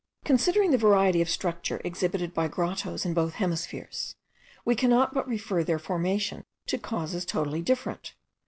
Considering the variety of structure exhibited by grottoes in both hemispheres, we cannot but refer their formation to causes totally different.